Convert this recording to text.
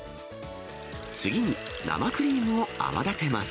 次に、生クリームを泡立てます。